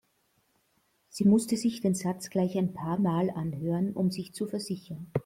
Sie musste sich den Satz gleich ein paarmal anhören um sich zu versichern.